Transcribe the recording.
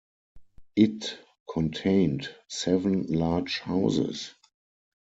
It contained seven large houses.